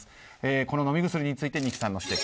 この飲み薬について二木さんの指摘。